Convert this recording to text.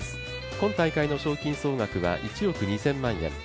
今大会の賞金総額は１億２０００万円。